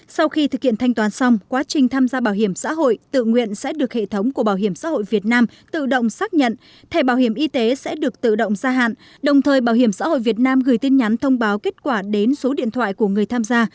sau khi thực hiện thanh toán xong quá trình tham gia bảo hiểm xã hội tự nguyện sẽ được hệ thống của bảo hiểm xã hội việt nam tự động xác nhận thẻ bảo hiểm y tế sẽ được tự động gia hạn đồng thời bảo hiểm xã hội việt nam gửi tin nhắn thông báo kết quả đến số điện thoại của người tham gia